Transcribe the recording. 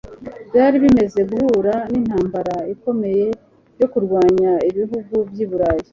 Byari bimaze guhura n'intambara ikomeye yo kurwanya ibihugu by'Uburayi